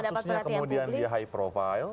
ketika kasusnya kemudian high profile